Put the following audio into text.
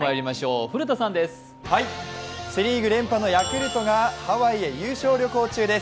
セ・リーグ連覇のヤクルトがハワイへ旅行中です。